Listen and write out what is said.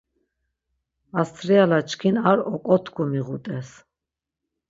Astiala çkin ar oǩotku miğut̆es.